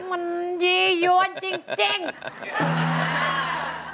มันยี่ยวนจริง